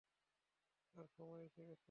আর সময় এসে গেছে।